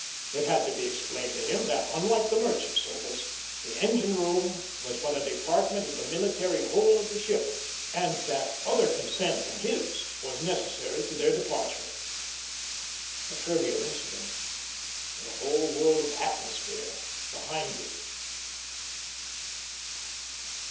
It had to be explained to him that, unlike the merchant service, the engine room was but a department of the military whole of the ship, and that other consent than his was necessary to their departure. A trivial incident, with a whole world of atmosphere behind it.